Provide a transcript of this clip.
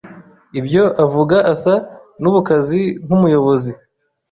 ibyo, ”avuga, asa n'ubukazi nk'umuyobozi.